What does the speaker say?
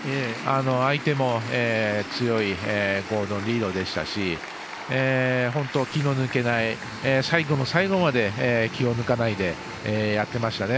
相手も強いゴードン・リードでしたし本当、気の抜けない最後の最後まで気を抜かないでやっていましたね。